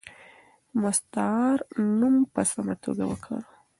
مستعار نوم په سمه توګه وکاروه.